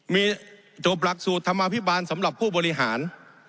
มีจบหลักสูตรธรรมาภิบาลสำหรับผู้บริหาร